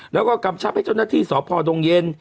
แล้วก็กำชับให้เจ้าหน้าที่สพดงเย็น